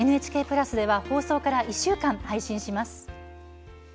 プラスでは放送から１週間、配信します。